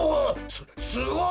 すすごい！